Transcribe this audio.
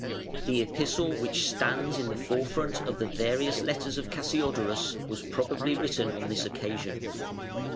The Epistle which stands in the forefront of the "Various Letters" of Cassiodorus was probably written on this occasion.